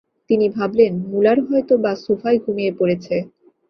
তিনি ভাবলেন, মুলার হয়তো-বা সোফায় ঘুমিয়ে পড়েছে।